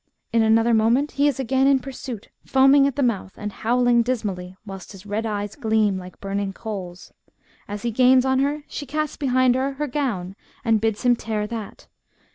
In another moment he is again in pursuit foaming at the mouth, and howling dismally, whilst his red eyes gleam like burning coals. As he gains on her, she casts behind her her gown, and bids him tear that.